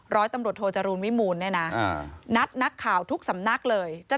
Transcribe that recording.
ร้อยตำรวจโทรจรูนวิมูล